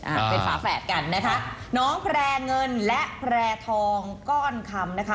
อ่าเป็นสาแฝดกันนะคะนำแนงและแทองก้อนคำนะคะ